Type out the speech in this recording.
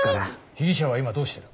被疑者は今どうしてる？